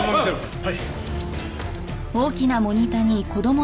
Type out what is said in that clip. はい。